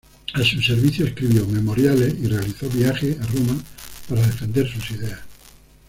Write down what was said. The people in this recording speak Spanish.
A su servicio escribió "Memoriales" y realizó viajes a Roma para defender sus ideas.